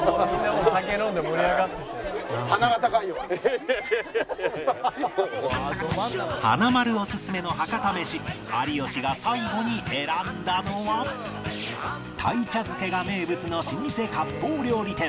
華丸オススメの博多メシ有吉が最後に選んだのは鯛茶漬けが名物の老舗割烹料理店